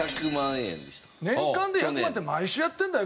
年間で１００万って毎週やってんだよ